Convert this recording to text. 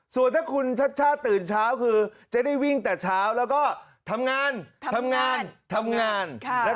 ส่วนถ้าคุณชัชชาติตื่นเช้าคือจะได้วิ่งแต่เช้าแล้วก็ทำงานทำงานทำงานทำงาน